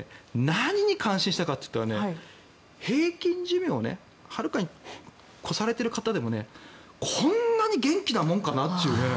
何に感心したかといったら平均寿命をはるかに越されている方でもこんなに元気なものかという。